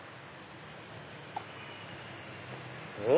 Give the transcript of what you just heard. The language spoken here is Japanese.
うん？